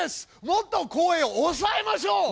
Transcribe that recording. もっと声をおさえましょう！